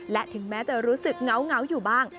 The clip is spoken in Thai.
และถึงแม้จะรู้สึกเหงาอยู่บ้าง